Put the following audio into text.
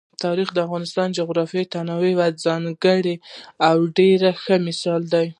تاریخ د افغانستان د جغرافیوي تنوع یو څرګند او ډېر ښه مثال دی.